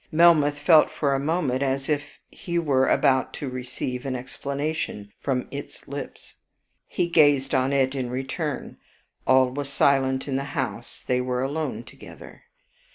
Melmoth felt for a moment as if he were about to receive an explanation from its lips. He gazed on it in return, all was silent in the house, they were alone together.